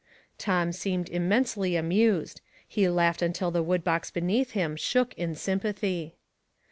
Tom seemed immensely amused. He laughed until the wood box beneath him shook in sym pathy.